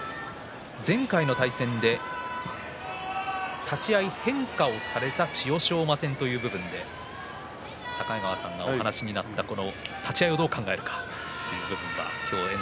前回の対戦で立ち合い変化をされた千代翔馬戦というところで境川さんのお話にあった立ち合いどう考えるか。